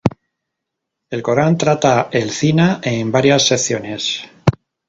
El Corán trata el zina en varias secciones.